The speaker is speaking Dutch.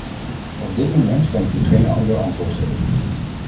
Op dit moment kan ik u geen ander antwoord geven.